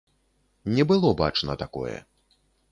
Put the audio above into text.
Не было бачна такое.